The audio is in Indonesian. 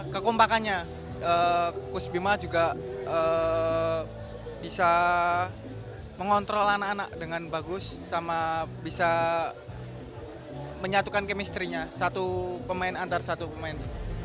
kekompakannya kus bima juga bisa mengontrol anak anak dengan bagus sama bisa menyatukan kemisterinya satu pemain antar satu pemain